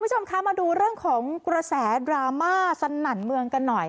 คุณผู้ชมคะมาดูเรื่องของกระแสดราม่าสนั่นเมืองกันหน่อย